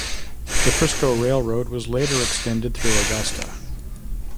The Frisco Railroad was later extended through Augusta.